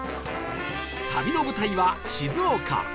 旅の舞台は静岡